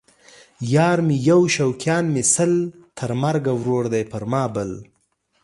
یار مې یو شوقیان مې سل ـ تر مرګه ورور دی پر ما بل